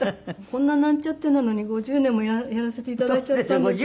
こんななんちゃってなのに５０年もやらせて頂いちゃったんです。